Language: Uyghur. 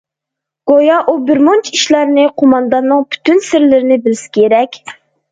گويا ئۇ بىر مۇنچە ئىشلارنى، قومانداننىڭ پۈتۈن سىرلىرىنى بىلسە كېرەك.